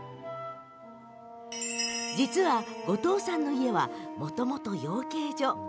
実は後藤さんの家はもともと養鶏場。